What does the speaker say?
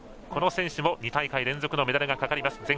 この選手も２大会連続のメダルがかかります。